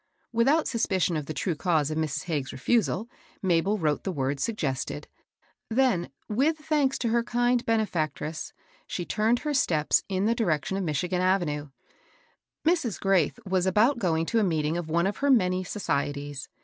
Without suspicion of the true cause of Mrs« Hagges's refusal, Mabel wrote the words suggested ; then, with thanks to her kind bene&ctress, she turned her steps in the direction of number , Michigan Avenue. Mrs. Graith was about going to a meeting of one of her many " societies."